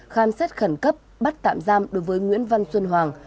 khám xét khẩn cấp bắt tạm giam đối với nguyễn văn xuân hoàng